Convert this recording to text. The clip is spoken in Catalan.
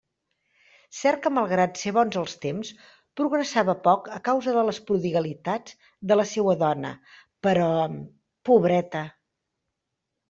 Cert que malgrat ser bons els temps, progressava poc a causa de les prodigalitats de la seua dona; però... pobreta!